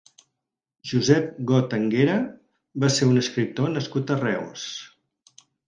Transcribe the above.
Josep Got Anguera va ser un escriptor nascut a Reus.